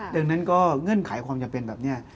ดังนั้นก็เงื่อนไขความจำเป็นแบบนี้